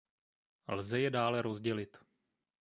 Lze je dále rozdělit.